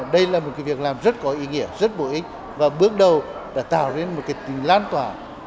đây là một việc làm rất có ý nghĩa rất bổ ích và bước đầu đã tạo ra một tình lan tỏa